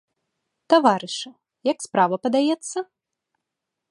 Таварышы, як справа падаецца?